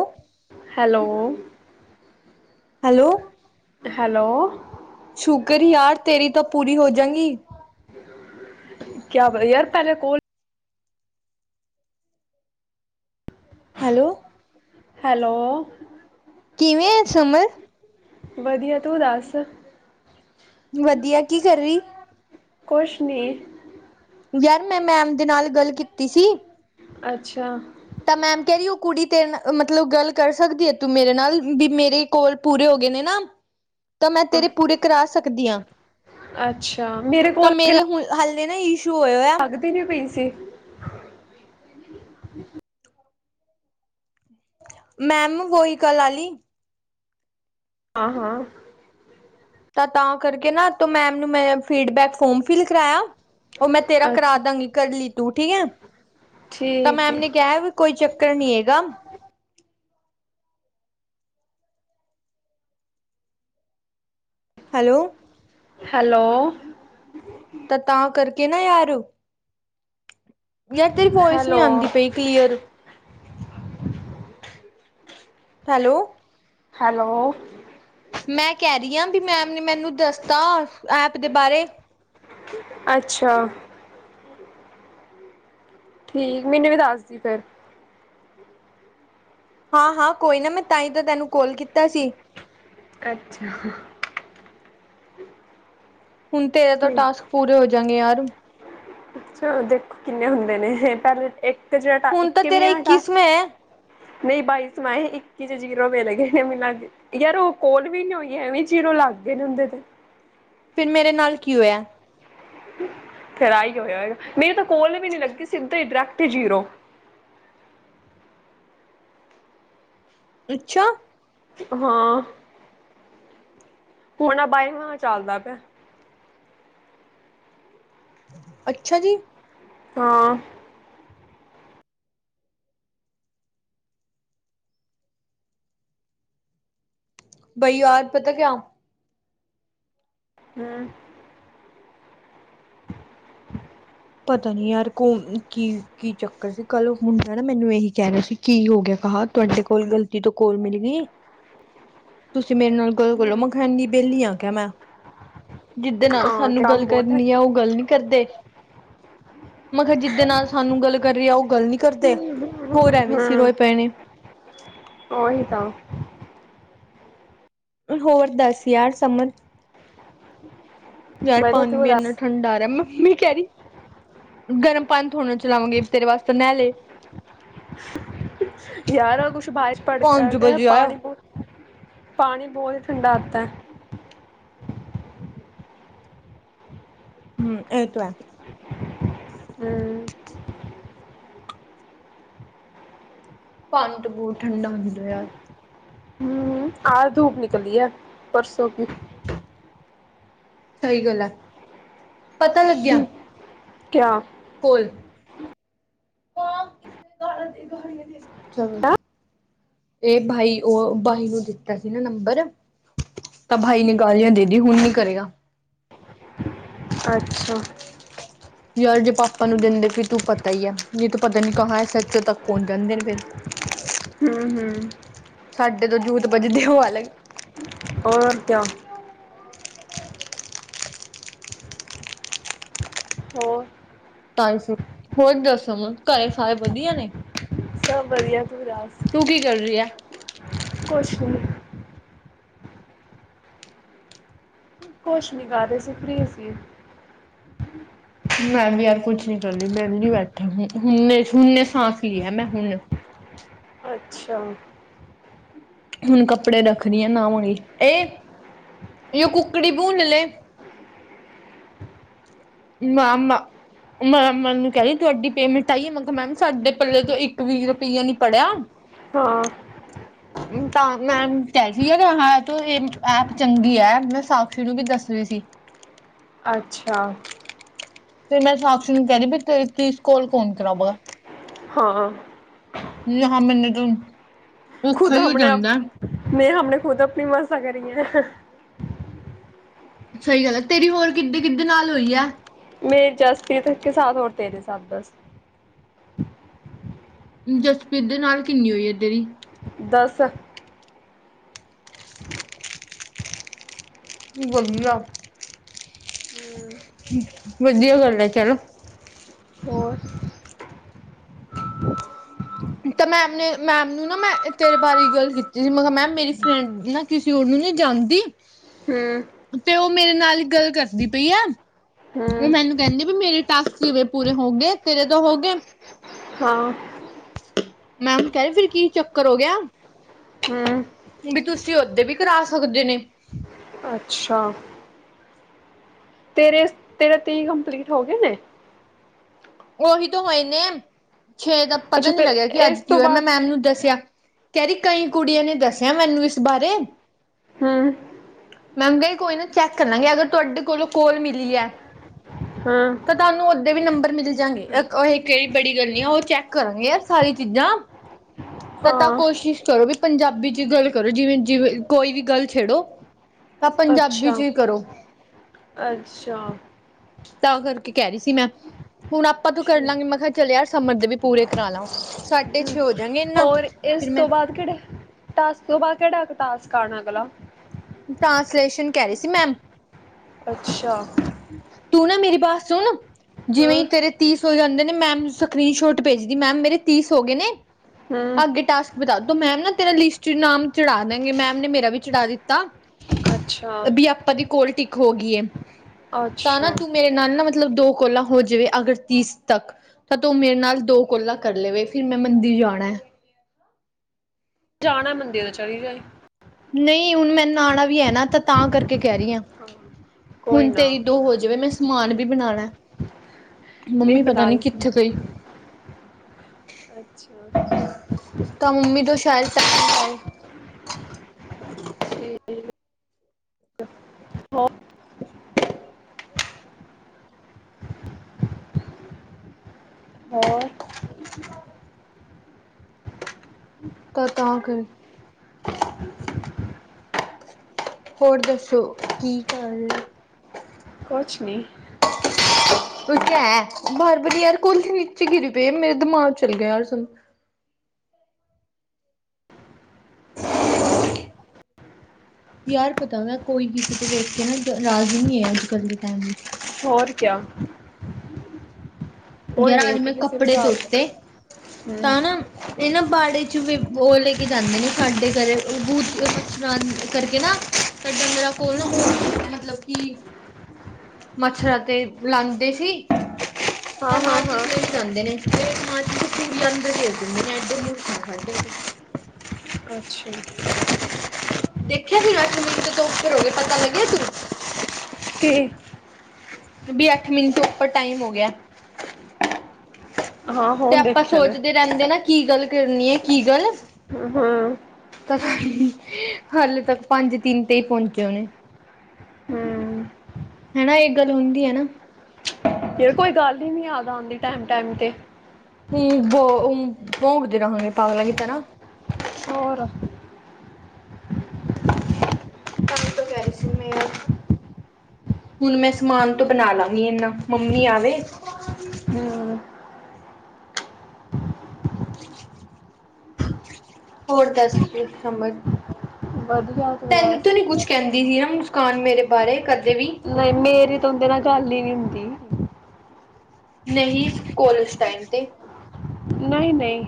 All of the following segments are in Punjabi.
Hello hello. Hello hello. Sugar ਹੈ ਯਾਰ ਤੇਰੀ ਤਾਂ ਪੂਰੀ ਹੋ ਜਾਣੀ ਕਿਆ ਯਾਰ ਪਹਿਲੇ ਕੋਲ ਹੈਲੋ। ਹੈਲੋ। ਕਿਵੇਂ ਹੈ ਸਮਰ? ਵਧੀਆ। ਤੂੰ ਦੱਸ? ਵਧੀਆ। ਕੀ ਕਰ ਰਹੀ? ਕੁਛ ਨੀ। ਯਾਰ ਮੈਂ ਮੈਮ ਦੇ ਨਾਲ ਗੱਲ ਕੀਤੀ ਸੀ। ਅੱਛਾ। ਤਾਂ ਮੈਮ ਕਹਿ ਰਹੀ ਉਹ, ਕੁੜੀ ਤੇਰੇ ਮਤਲਬ ਗੱਲ ਕਰ ਸਕਦੀ ਏ, ਤੂੰ ਮੇਰੇ ਨਾਲ ਵੀ ਮੇਰੇ ਕੋਲ ਪੂਰੇ ਹੋ ਗਏ ਨੇ ਨਾ। ਤਾਂ ਮੈਂ ਤੇਰੇ ਪੂਰੇ ਕਰਾ ਸਕਦੀ ਹਾਂ। ਅੱਛਾ ਤਾਂ ਕੋਲ ਮੇਰੇ ਹੁਣ ਹਲੇੇ ਨਾ ਇਸ਼ੂ ਹੈਗਾ ਹੈ। ਦੀ ਨੀ ਪਈ ਸੀ। ਮੈਮ ਵੋਹੀ ਕਲ ਆਲੀ। ਹਾਂ- ਹਾਂ। ਤਾਂ, ਤਾਂ ਕਰਕੇ ਨਾ ਮੈਮ ਨੂੰ ਮੈਂ, ਫੀਡਬੈਕ ਫੋਮ ਫਿਲ ਕਰਾਇਆ। ਉਹ ਮੈਂ ਤੇਰਾ ਅੱਛਾ ਕਰਾਦਾਂਗੀ, ਕਰ ਲਈ ਤੂੰ ਠੀਕ ਏ। ਤਾਂ ਠੀਕ ਮੈਮ ਹੈ ਨੇ ਕਿਹਾ, ਕੋਈ ਚੱਕਰ ਨਹੀਂ ਹੈਗਾ। ਹੈਲੋ। ਹੈਲੋ। ਤਾਂ, ਤਾਂ ਕਰਕੇ ਨਾ ਯਾਰ। ਯਾਰ ਤੇਰੀ ਵੋਇਸ ਨਹੀਂ ਹੈਲੋ ਆਉਂਦੀ ਪਈ। ਕਲੀਅਰ। ਹੈਲੋ। ਹੈਲੋ। ਮੈਂ ਕਹਿ ਰਹੀ ਹਾਂ। ਵੀ ਮੈਮ ਨੇ ਮੈਨੂੰ ਦੱਸਤਾ, ਐਪ ਦੇ ਬਾਰੇ। ਅੱਛਾ। ਠੀਕ ਮੈਨੂੰ ਵੀ ਦੱਸਦੀ ਫੇਰ। ਹਾਂ- ਹਾਂ ਕੋਈ ਨਾ। ਮੈਂ ਤਾਂ ਹੀ, ਤਾਂ ਤੈਨੂੰ ਕੋਲ ਕੀਤਾ ਸੀ। ਅੱਛਾ। ਹੁਣ ਤੇਰੇ ਤੋਂ ਟਾਸਕ ਪੂਰੇ ਹੋ ਜਾਣਗੇ ਯਾਰ। ਅੱਛਾ, ਦੇਖੋ ਕਿੰਨੇ ਹੁੰਦੇ ਨੇ ਪਰ ਇੱਕ। ਕ ਜਰਾਟਾ ਹੁਣ ਇੱਕ ਤਾਂ ਕਿਵੇਂ ਤੇਰਾ ਆ ਟਾ- ਇੱਕੀਸਵਾਂ ਹੈ ਨਹੀਂ ਬਾਈਸ ਵਾ ਹੈ। ਮੈਂ ਇੱਕੀ ਚ ਜੀਰੋ ਮਿਲਗੇ। ਮਿਲਾਕੇ ਯਾਰ ਉਹ ਕੋਲ ਵੀ ਨੀ ਹੋਈ ਏ। ਐਵੇਂ ਜੀਰੋ ਲੱਗਦੇ ਰਹਿੰਦੇ ਨੇ। ਫੇਰ ਮੇਰੇ ਨਾਲ ਕੀ ਹੋਇਆ? ਫੇਰ ਆ ਹੀ ਹੋਇਆ ਹੋਏਗਾ। ਨਹੀਂ ਤਾਂ ਕੋਲ ਵੀ ਨੀ ਲੱਗੀ ਸਿੱਧਾ ਹੀ ਡਰੈਕਟ ਜੀਰੋ। ਅੱਛਾ। ਹਾਂ। ਹੁਣ ਆਹ, ਬਾਈਵਾਂ ਚੱਲਦਾ ਪਿਆ। ਅੱਛਾ ਜੀ! ਹਾਂ। ਬਾਈ ਯਾਰ ਪਤਾ ਕਿਆ? ਹੂੰ। [unintelligible] ਪਤਾ ਨੀ ਯਾਰ ਕੋ, ਕੀ- ਕੀ ਚੱਕਰ ਸੀ। ਕੱਲ ਮੁੰਡਾ ਨਾ ਮੈਨੂੰ ਇਹੀ ਕਹਿ ਰਿਹਾ ਸੀ, ਕੀ ਹੋ ਗਿਆ? ਕਿਹਾ ਤੁਹਾਡੇ ਕੋਲ ਗ਼ਲਤੀ ਤੋਂ ਕੋਲ ਮਿਲ ਨੀ। ਤੁਸੀਂ ਮੇਰੇ ਨਾਲ। ਗੱਲ ਕਰੋ ਹਮ ਮੈ ਖਾ ਐਣੀ ਵਿਹਲੀ ਆ ਕਿਆ ਮੈਂ। ਜਿਦੇ ਨਾਲ ਹਾਂ ਸਾਨੂੰ ਗੱਲ ਕੰਮ ਬਹੁਤ ਹੈ ਕਰਨੀ ਆ। ਉਹ ਗੱਲ ਨੀ ਕਰਦੇ? ਮੈਂ ਕਿਹਾ ਜਿਾਦੇ ਨਾਲ ਸਾਨੂੰ ਗੱਲ ਕਰਨੀ ਆ। ਉਹ ਗੱਲ ਨੀ ਕਰਦੇ, ਹੋਰ ਐਵੇਂ ਸੀ ਹਮ ਰੋਏ ਪੈਣੇ ਨੇ। ਉਹੀ ਤਾਂ। ਹੋਰ ਦਸ ਯਾਰ ਸਮਨ। ਯਾਰ ਵਧੀਆ ਪਾਣੀ ਤੂੰ ਵੀ ਇੰਨਾ ਦੱਸ ਠੰਡਾ ਆ ਰਿਹਾ। ਮੰਮੀ ਕਹਿ ਰਹੀ, ਗਰਮ ਪਾਣੀ ਥੋਣਣਾ ਚਲਾਵਾਂਗੇ, ਤੇਰੇ ਵਾਸਤੇ ਨਹਿਲੇ ਯਾਰ ਕੁਛ ਬਾਅਰੀ ਚ ਪੜ ਪੰਜ ਕੇ ਵਜੇ ਆਇਆ ਪਾਣੀ ਬਹੁ ਪਾਣੀ ਬਹੁਤ ਹੀ ਠੰਢਾ ਆਤਾ ਹੈ। ਹੂੰ, ਇਹ ਤੋ ਹੈ। ਹੂੰ। ਪਾਣੀ ਤਾਂ ਬੂਟ ਠੰਡਾ ਆਂਦਾ ਯਾਰ। ਆਜ ਧੁੱਪ ਨਿਕਲੀ ਹੈ, ਪਰਸੋਂ ਕੀ। ਸਹੀ ਗੱਲ ਐ ਪਤਾ ਲੱਗਿਆ ਕਿਆ ਕੋਲ [unintelligible] ਇਹ ਬਾਈ ਉਹ ਬਾਈ ਨੂੰ ਦਿੱਤਾ ਸੀ ਨਾ ਨੰਬਰ ਤਾਂ ਭਾਈ ਨੇ ਗਾਲੀਆਂ ਦੇਦੀ ਹੁਣ ਨੀ ਕਰੇਗਾ ਅੱਛਾ ਯਾਰ ਜੇ ਪਾਪਾ ਨੂੰ ਦਿੰਦੇ ਫਿਰ ਤੂੰ ਪਤਾ ਹੀ ਆ ਜੇ ਤੂੰ ਪਤਾ ਨੀ ਕਾਹਾਂ ਐੱਸ ਐੱਚ ਓ [unintelligible] ਪਹੁੰਚ ਜਾਂਦੇ ਨੇ ਫਿਰ ਸਾਡੇ ਤੋਂ ਜੂਤ ਬੱਜਦੇ ਉਹ ਅਲੱਗ ਹੋਰ ਕਿਆ ਹੋਰ ਸ ਹੋਰ ਦੱਸੋ ਘਰੇ ਸਾਰੇ ਵਧੀਆ ਨੇ? ਸਭ ਵਧੀਆ! ਤੂੰ ਦੱਸ? ਤੂੰ ਕੀ ਕਰ ਰਹੀ ਏ? ਕੁਛ ਨਹੀਂ। ਕੁਛ ਨੀ ਕਰ ਰਹੀ ਸੀ ਫ੍ਰੀ ਸੀ ਮੈਂ ਵੀ ਯਾਰ ਕੁਛ ਨੀ ਕਰਦੀ ਵਿਹਲੀ ਬੈਠੀ ਸੀ ਹੁਣ ਹੁਣੇ ਸਾਂਸ ਲੀ ਹੈ ਮੈਂ ਹੁਣ ਅੱਛਾ ਹੁਣ ਕੱਪੜੇ ਰੱਖ ਰੀ ਆ ਨਾ ਨਾਵਾਂਗੀ ਏ ਜੋ ਕੁੱਕੜੀ ਭੁੰਨ ਲੈ [inaudible] ਮੈਂ ਮੈਨੂੰ ਕਹਿਦੀ ਤੁਹਾਡੀ ਪੇਮੈਂਟ ਆਈ ਆ ਮੈਂ ਕਿਹਾ ਮੈਮ ਸਾਡੇ ਪੱਲੇ ਤੋਂ ਇੱਕ ਵੀ ਰੁਪਈਆ ਨੀ ਪੜਿਆ ਹਾਂ [inaudible] ਤਾਂ ਮੈ ਕ ਸੀਗਾ ਇਹ ਐਪ ਚੰਗੀ ਐ ਮੈਂ ਸਾਕਸ਼ੀ ਨੂੰ ਵੀ ਦੱਸਦੀ ਸੀ ਅੱਛਾ ਤੇ ਮੈਂ ਸਾਕਸ਼ੀ ਨੂੰ ਕਹਿ ਰਹੀ ਵੀ ਤੇਰੀ ਤੀਸ ਕੋਲ ਕੌਣ ਕਰਾਵਾਂਗਾ ਹਾਂ ਜਹਾਂ ਮੈਂਨੇ ਤੋਂ, ਖੁਦ ਹਮਣੇ ਆਪ ਮੈਂ ਹਮਣੇ ਖੁਦ ਆਪਣੀ ਮਸਾਂ ਕਰੀ ਐ ਸਹੀ ਗੱਲ ਐ ਤੇਰੀ ਹੋਰ ਕਿੱਦੇ-ਕਿੱਦੇ ਨਾਲ ਹੋਈ ਹੈ ਮੇਰੀ ਜਸਪ੍ਰੀਤ ਕੇ ਸਾਥ ਔਰ ਤੇਰੇ ਸਾਥ ਬਸ ਜਸਪ੍ਰੀਤ ਦੇ ਨਾਲ ਕਿੰਨੀ ਹੋਈ ਐ ਤੇਰੀ ਦਸ ਹਮ ਵਧੀਆ-ਵਧੀਆ ਗੱਲ ਐ ਚਲ ਹੋਰ ਤਾਂ ਮੈਮ ਨੇ ਮੈਮ ਨੂੰ ਨਾ ਮੈਂ ਤੇਰੇ ਬਾਰੇ ਗੱਲ ਕੀਤੀ ਸਮਹਾ ਮੈਮ ਮੇਰੀ ਫਰੈਂਡ ਦੀ ਨਾ ਕਿਸੇ ਔਰ ਨੂੰ ਨੀ ਜਾਣਦੀ ਹਮ ਤੇ ਉਹ ਮੇਰੇ ਨਾਲ ਗੱਲ ਕਰਦੀ ਪਈ ਐ ਉਹ ਹਮ ਮੈਨੂੰ ਕਹਿੰਦੀ ਵੀ ਮੇਰੇ ਟਾਸਕ ਕਿਵੇਂ ਪੂਰੇ ਹੋ ਗਏ ਤੇਰੇ ਤੋਂ ਹੋ ਗਏ ਹਾਂ ਮੈਮ ਕਹਿ ਰਹੀ ਫਿਰ ਕੀ ਚੱਕਰ ਹੋ ਗਿਆ ਹੂੰ ਵੀ ਤੁਸੀਂ ਓਦੇ ਵੀ ਕਰਾ ਸਕਦੇ ਨੇ ਅੱਛਾ ਤੇਰੇ ਤੇਰੇ ਤੀਹ ਕੰਪਲੀਟ ਹੋ ਗਏ ਨੇ। ਉਹੀ ਤਾਂ ਹੋਏ ਨੇ, ਛੇ ਦਾ ਪਤਾ ਅੱਛਾ ਨੀ ਫਿਰ ਲੱਗਿਆ ਕਿ ਇਸ ਅੱਜ ਕੀ ਤੋਂ ਹੋਇਆ, ਮੈਂ ਬਾਅਦ ਮੈਮ ਨੂੰ ਦੱਸਿਆ। ਕਹਿੰਦੀ ਕਈ ਕੁੜੀਆਂ ਨੇ ਦੱਸਿਆ ਮੈਨੂੰ ਇਸ ਬਾਰੇ। ਹੂੰ, ਮੈਮ ਕਹਿ ਰੀ ਕੋਈ ਨਾ ਚੈੱਕ ਕਰ ਲਾਂਗੇ, ਅਗਰ ਤੁਹਾਡੇ ਕੋਲੋਂ ਕੋਲ ਮਿਲੀ ਐ। ਹਾਂ, ਤੁਹਾਨੂੰ ਓਦੇ ਵੀ ਨੰਬਰ ਮਿਲ ਸ ਜਾਗੇ ਕਾ, ਇਹ ਕਿਹੜੀ ਬੜੀ ਗੱਲ ਨੀ ਆ, ਉਹ ਚੈੱਕ ਕਰਾਂਗੇ ਯਾਰ ਸਾਰੀ ਚੀਜ਼ਾਂ। ਤਾਂ ਹਾਂ ਕੋਸ਼ਿਸ਼ ਕਰੋ ਵੀ ਪੰਜਾਬੀ ਚੀ ਗੱਲ ਕਰੋ, ਜਿਵੇਂ-ਜਿਵੇਂ ਕੋਈ ਵੀ ਗੱਲ ਛੇੜੋ ਤਾਂ ਪੰਜਾਬੀ ਚ ਅੱਛਾ ਹੀ ਕਰੋ। ਅੱਛਾ। ਤਾਂ ਕਰਕੇ ਕਹਿ ਰਹੀ ਸੀ ਮੈਂ, ਹੁਣ ਆਪਾਂ ਤੋਂ ਕਰ ਠੀਕ ਲਾਂਗੇ ਮੈਂ ਕਿਹਾ ਚਲੀਆ ਸਮਦ ਵੀ ਪੂਰੇ ਕਰਾ ਲਾ, ਸਾਡੇ ਹੋਰ ਇਸ ਤੋਂ ਬਾਅਦ ਕਿਹੜੇ ਟਾਸਕ ਤੋਂ ਬਾਅਦ ਕਿਹੜਾ ਟਾਸਕ ਆਣਾ ਅਗਲਾ? ਟ੍ਰਾਂਸਲੇਸ਼ਨ ਕਹਿ ਰਹੇ ਸੀ ਮੈਮ। ਅੱਛਾ। ਤੂੰ ਨਾ ਮੇਰੀ ਬਾਤ ਸੁਣ, ਜਿਵੇਂ ਹਾਂ ਤੇਰੇ ਤੀਹ ਹੋ ਜਾਂਦੇ ਨੇ, ਮੈਮ ਸਕਰੀਨ ਸ਼ੋਟ ਭੇਜਦੀ ਮੈਮ ਮੇਰੇ ਤੀਸ ਹੋਗੇ ਨੇ। ਹੂੰ ਅੱਗੇ ਟਾਸਕ ਬਤਾ ਦੋ ਮੈਮ ਨਾ ਤੇਰਾ ਲਿਸਟ ਨਾਮ ਚੜਾ ਦੇਗੇ ਮੈਮ ਨੇ ਮੇਰਾ ਵੀ ਚੜਾ ਦਿੱਤਾ ਅੱਛਾ। ਵੀ ਆਪਾਂ ਦੀ ਕੋਲ ਟਿੱਕ ਹੋ ਗਈ ਤਾਂ ਨਾ ਅੱਛਾ ਤੂੰ ਮੇਰੇ ਨਾਲ ਨਾ ਮਤਲਬ ਦੋ ਕੋਲਾ ਹੋ ਜਾਵੇ ਅਗਰ ਤੀਸ ਤੱਕ ਤਾਂ ਤੂੰ ਮੇਰੇ ਨਾਲ ਦੋ ਕੋਲਾ ਕਰ ਲਵੇ ਫਿਰ ਮੈਂ ਮੰਦਿਰ ਜਾਣਾ। ਜਾਣਾ ਮੰਦਰ ਤੋਂ ਚਲੀ ਜਾਏ। ਨਹੀਂ ਹੁਣ ਮੈ ਨਾਂਣਾ ਵੀ ਐ ਨਾ ਤਾਂ, ਤਾਂ ਕਰਕੇ ਕਹਿ ਰਹੀ ਆ। ਹਾਂ। ਹੁਣ ਤੇਰੀ ਦੋ ਹੋ ਜਾਵੇ, ਮੈਂ ਸਮਾਨ ਵੀ ਬਣਾਣਾ। ਨਹੀਂ ਮੰਮੀ ਪਤਾ ਬਣਾ ਨੀ ਲਈ ਸੀ। ਕਿੱਥੇ ਗਈ? ਅੱਛਾ। ਤਾਂ ਮੰਮੀ ਤੋਂ ਸ਼ਾਇਦ ਚੱਕੀ ਜਾਂਏ। ਠੀਕ ਹੋ ਹੋਰ? ਤਾਂ ਤਾਂ ਕੇ ਹੋਰ ਦੱਸੋ, ਕੀ ਕਰ ਰਹੇ? ਕੋਛ ਨੀ। ਉਹ ਕਹਿ ਬਾਰ ਵਾਰੀ ਯਾਰ ਕੋਲੀ ਨੀਚੇ ਗਿਰੀ ਪਏ, ਮੇਰੇ ਦਿਮਾਗ ਚੱਲ ਗਿਆ ਯਾਰ ਸੁ [inaudible] ਯਾਰ ਪਤਾ ਵੈਂ, ਕੋਈ ਵੀਤੇ ਵੇਖ ਕੇ ਨਾ ਰਾਜੀ ਨਹੀਂ ਐ, ਅੱਜ ਕੱਲ੍ਹ ਦੇ ਟਾਈਮ ਵਿੱਚ। ਹੋਰ ਕਯਾ। ਯਾਰ ਨੀ ਅੱਜ ਵੇਖੀ ਮੈਂ ਕਿਸੇ ਨੂੰ ਕੱਪੜੇ ਸਾਰਦਾ ਧੋਤੇ, ਹੂੰ ਤਾਂ ਨਾ ਇਹ ਨਾ ਬਾੜੇ ਚ ਵੀ ਉਹ ਲੈ ਕੇ ਜਾਂਦੇ ਨੇ ਸਾਡੇ ਘੱਰੇ [unintelligible] ਤਾਂ ਡੰਗਰਾਂ ਕੋਲ ਨਾ ਉਹ ਹੈ ਮਤਲਬ ਕਿ ਮੱਛਰਾਂ ਤੇ ਲਾਂਦੇ ਸੀ। ਤਾਂ ਹਾਂ ਹਾਂ ਮਾਰਚਿਸ ਹਾਂ ਲਈ ਜਾਂਦੇ ਨੇ ਮਚ ਲੰਦਰ ਦਿੰਦੇ [unintelligible] ਅੱਛਾ। ਦੇਖਿਆ ਸੀ ਵੈਸ਼ਨਦੀਪ ਤੇ ਤੋਂ ਉੱਪਰ ਹੋ ਗ ਪਤਾ ਲੱਗਿਆ ਤੂੰ ਕੇ ਬਈ ਅੱਠ ਮਿੰਟ ਤੋਂ ਉੱਪਰ ਟਾਈਮ ਹੋ ਗਿਆ। ਹਾਂ ਤੇ ਹੁਣ ਆਪਾਂ ਦੇਖਿਆ ਮੈਂ ਸੋਚਦੇ ਰਹਿੰਦੇ ਨਾ, ਕੀ ਗੱਲ ਕਰਨੀ ਐ ਕੀ ਗੱਲ ਹ-ਹਾਂਂ। ਤਾਂ ਹਾਲੇ ਤੱਕ ਪੰਜ ਤਿੰਨ ਤੇ ਹੀ ਪਹੁੰਚੇ ਹੋਨੇ। ਹੂੰ ਹਨਾ ਇਹ ਗੱਲ ਹੁੰਦੀ ਏ ਨਾ। ਯਾਰ ਕੋਈ ਗੱਲ ਹੀ ਨੀ ਯਾਦ ਆਉਂਦੀ ਟੈਮ-ਟੈਮ ਤੇ। ਹੂੰ ਭੋਂਕਦੇ ਰਹਾਂਗੇ ਪਾਗਲਾਂ‌ ਦੀ ਤਰ੍ਹਾਂ। ਹੋਰ। [unintelligible] ਹੁਣ ਮੈਂ ਸਮਾਨ ਤੋਂ ਬਣਾ ਲਵਗੀ ਇਹਨਾ ਮੰਮੀ ਆਵੇ ਹੂੰ। [unintelligible] ਹੋਰ ਦੱਸ ਫਿਰ ਸਮਰ ਵਧੀਆ ਤੂੰ ਤੈਨੂੰ ਦੱਸ ਤਾਂ ਨੀ ਕੁਛ ਕਹਿੰਦੀ ਨਹੀ ਨਾ ਮੁੁਸਕਾਨ ਮੇਰੇ ਬਾਰੇ ਕਦੇ ਵੀ? ਨਹੀਂ ਮੇਰੀ ਤਾਂ ਉਹਦੇ ਨਾਲ ਗੱਲ ਹੀ ਨਹੀਂ ਹੁੰਦੀ। ਨਹੀਂ ਕੋਲਜ ਟਾਈਮ ਤੇ। ਨਹੀਂ, ਨਹੀਂ।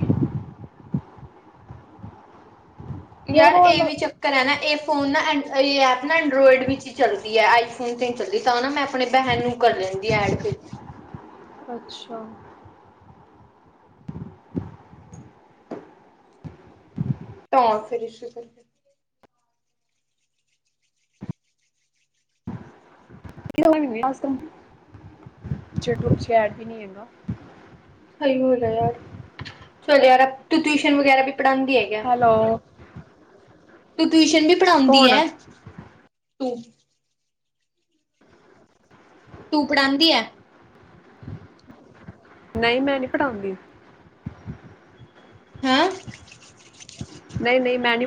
ਯਾਰ ਇਹ ਵੀ ਚੱਕਰ ਚਕਰ ਇਹ ਨਾ ਇਹ ਫੋਨ ਨਾ ਐਂ ਇਹ ਐਪ ਨਾ ਐਂਡਰੋਇਡ ਵਿੱਚ ਹੀ ਚੱਲਦੀ ਹੈ। ਆਈਫੋਨ ਤੇ ਨਹੀ ਚੱਲਦੀ ਤਾਂ ਨਾ ਮੈਂ ਆਪਣੇ ਭੈਣ ਨੂੰ ਕਰ ਲੈਂਦੀ ਐਡ ਫਿਰ ਅੱਛਾ। [unintelligible] ਐਡ ਵੀ ਨਹੀਂ ਹੈਗਾ [inaudible] ਸਹੀ ਹੋ ਜਾਏਗਾ ਯਾਰ, ਚਲੋਂ ਯਾਰ ਆ, ਤੂੰ ਟਿਊਸ਼ਨ ਵਗੈਰਾ ਵੀ ਪੜ੍ਹਾਉਂਦੀ ਹੈਗੀ ਹੈਲੋ। ਤੂੰ ਟਿਊਸ਼ਨ ਵੀ ਪੜ੍ਹਾਉਂਦੀ ਕੌਣ ਐ, ਤੂੰ? ਤੂੰ ਪੜਾਂਦੀ ਐ? ਨਹੀਂ ਮੈਂ ਨਹੀਂ ਪੜਾਉਂਦੀ। ਹੈਂ। ਨਹੀਂ, ਨਹੀਂ ਮੈਂ ਨੀ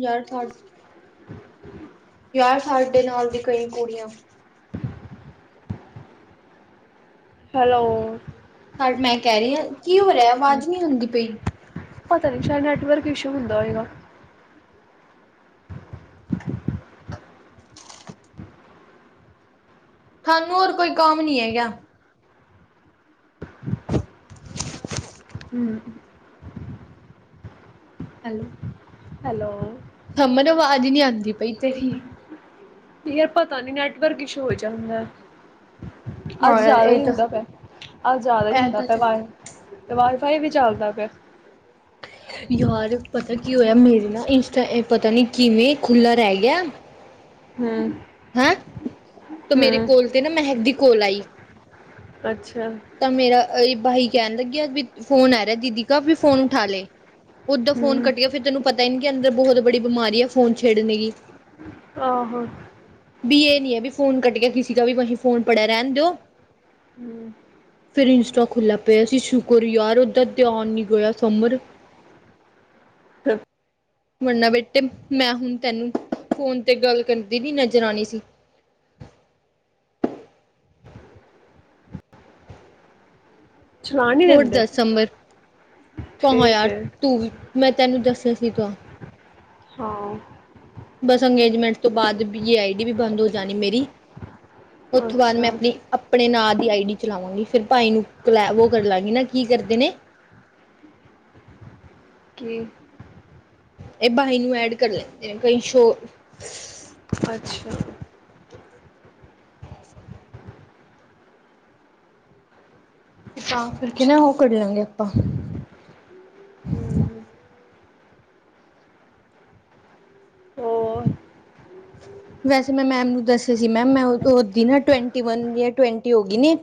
ਯਾਰ ਸਾਡ ਯਾਰ ਸਾਡੇ ਨਾਲ ਦੀ ਕਈ ਕੁੜੀਆਂ ਹੈਲੋ। ਪਰ ਮੈਂ ਕਹਿ ਰਹੀ ਹਾਂ ਕੀ ਹੋ ਰਿਹਾ ਆਵਾਜ਼ ਨਹੀਂ ਆਂਦੀ ਪਈ। ਪਤਾ ਨੀ ਸ਼ਾਇਦ ਨੈਟਵਰਕ ਇਸ਼ੂ ਹੁੰਦਾ ਹੋਏਗਾ। ਤੁਹਾਨੂੰ ਹੋਰ ਕੋਈ ਕੰਮ ਨੀ ਹੈਗਾ। ਹਮ। ਹੈਲੋ। ਹੈਲੋ। ਸਮਰ ਆਵਾਜ਼ ਨਹੀਂ ਆਉਂਦੀ ਪਈ ਤੇਰੀ। ਯਾਰ ਪਤਾ ਨੀ ਨੈਟਵਰਕ ਇਸ਼ੂ ਹੋਈ ਜਾਂਦਾ। ਹਾਂ ਅੱਜ ਯਾਰ ਜ਼ਿਆਦਾ ਇਹ ਹੀ ਤਾਂ ਹੁੰਦਾ ਪਿਆ, ਅੱਜ ਜ਼ਿਆਦਾ ਹੀ ਇਹ ਹੁੰਦਾ ਤਾਂ ਪਿਆ ਚੱਕ ਅਵਾਜ ਤੇ ਵਾਈਫਾਈ ਵੀ ਚੱਲਦਾ ਪਿਆ। ਯਾਰ ਪਤਾ ਕੀ ਹੋਇਆ ਮੇਰੀ ਨਾ ਇੰਸਟਾ ਪਤਾ ਨਹੀਂ ਕਿਵੇਂ ਖੁੱਲ੍ਹਾ ਰਹਿ ਗਿਆ ਹਮ। ਹੈਂ ਤੇ ਮੇਰੇ ਕੋਲ ਤੇ ਨਾ ਮਹਿਕ ਦੀ ਕੋਲ ਆਈ। ਅੱਛਾ। ਤਾਂ ਮੇਰਾ ਬਾਈ ਕਹਿਣ ਲੱਗਿਆ। ਕੀ ਫੋਨ ਆ ਰਿਹਾ ਦੀਦੀ ਕਾ ਵੀ ਫੋਨ ਉਠਾ ਲੈ। ਉ ਓਦਾਂ ਫੋਨ ਹਮ ਕੱਟ ਗਿਆ ਫਿਰ ਤੈਨੂੰ ਪਤਾ ਹੀ ਇਨ ਕੇ ਅੰਦਰ ਬਹੁਤ ਬੜੀ ਬਿਮਾਰੀ ਆ ਫੋਨ ਛੇੜਨੇ ਕੀ। ਆਹੋ। ਵੀ ਇਹ ਨੀ ਹੈ ਵੀ ਫੋਨ ਕੱਟ ਗਿਆ ਕਿਸੇ ਦਾ ਵੀ ਵਹੀ ਫੋਨ ਪੜਿਆ ਰਹਿਣ ਦਿਓ। ਹਮ। ਫਿਰ ਇੰਸਟਾ ਖੁੱਲਾ ਪਿਆ ਸੀ। ਸ਼ੁਕਰ ਯਾਰ ਉਹਦਰ ਧਿਆਨ ਨੀ ਗਿਆ ਸਮਰ ਫਿਰ ਵਰਨਾ ਬੇਟੇ ਮੈਂ ਹੁਣ ਤੈਨੂੰ ਫੋਨ ਤੇ ਗੱਲ ਕਰਨ ਦੀ ਨੀ ਨਜ਼ਰ ਆਉਣੀ ਸੀ। ਚਲਾ ਨਹੀਂ ਹੋਰ ਦਿੰਦੇ ਦਸ ਸਮਰ ਕਹਾ ਠੀਕ ਯਾਰ ਹੈ ਤੂੰਹੀ ਮੈਂ ਤੈਨੂੰ ਦੱਸਿਆ ਸੀ ਗਾ ਹਾਂ। ਬਸ ਅੰਗੇਜਮੈਂਟ ਤੋਂ ਬਾਅਦ ਵੀ ਆਈ ਡੀ ਵੀ ਬੰਦ ਹੋ ਜਾਣੀ ਮੇਰੀ ਉਥੋਂ ਬਾਅਦ ਮੈਂ ਅੱਛਾ ਆਪਣੀ ਆਪਣੇ ਨਾਂ ਦੀ ਆਈ ਡੀ ਚਲਾਵਾਂਗੀ ਫਿਰ ਭਾਈ ਨੂੰ ਕੋਲੈ ਉਹ ਕਰ ਲਾਂਗੀ ਨਾ ਕੀ ਕਰਦੇ ਨੇ ਕਿ ਇਹ ਬਾਈ ਨੂੰ ਐਡ ਕਰ ਲੈਂਦੇ ਕਈ ਸ਼ੋ ਅੱਛਾ ਤਾਂ ਕਰਕੇ ਨਾ ਉਹ ਕਰ ਠੀਕ ਹੈ ਲਾਗੇ ਆਪਾਂ ਹਮ ਹੋਰ ਵੈਸੇ ਮੈਂ ਮੈਮ ਨੂੰ ਦੱਸਿਆ ਸੀ ਮੈਮ ਮੈਂਦੀ ਨਾ ਟਵ ਟਵਟੀ ਹੋ ਗਈ ਨੇ